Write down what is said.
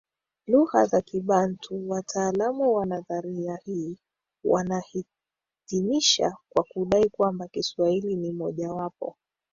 lugha za kibantu Wataalamu wa nadharia hii wanahitimisha kwa kudai kwamba Kiswahili ni mojawapo